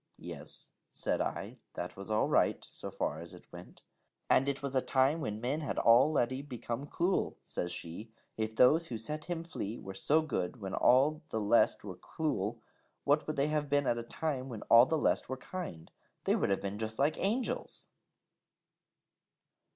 'Yes,' said I, 'that was all right, so far as it went.' 'And it was a time when men had al leady become cluel,' says she: 'if those who set him flee were so good when all the lest were cluel, what would they have been at a time when all the lest were kind? They would have been just like Angels....!'